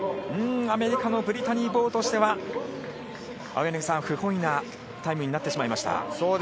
アメリカのブリタニー・ボウとしては不本意なタイムになってしまいました。